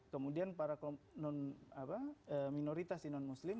kemudian para minoritas di non muslim